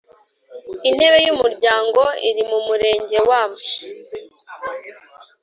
Intebe y umuryango iri mu murenge wa